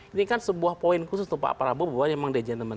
ini kan sebuah poin khusus untuk pak prabowo bahwa memang dia gentleman